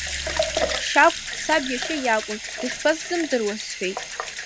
Шьагә саб иашьа иакәын, дышԥасзымдыруаз, — сҳәеит.